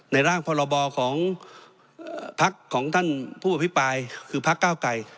ในร่างพรบอของเอ่อพรรคของท่านผู้อภิปรายคือพรรคเก้าไก่